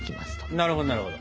なるほどなるほど。